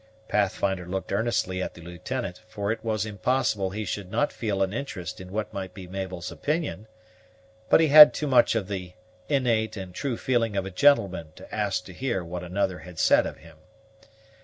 Pathfinder looked earnestly at the lieutenant, for it was impossible he should not feel an interest in what might be Mabel's opinion; but he had too much of the innate and true feeling of a gentleman to ask to hear what another had said of him.